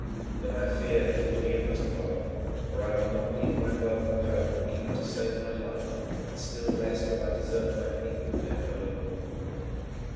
"Then I fear that you here must bide, for I will not leave my wealth and home, even to save my life, and still less will I desert my people in their holy war.